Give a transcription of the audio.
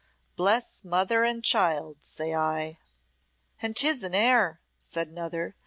Bless mother and child, say I." "And 'tis an heir," said another.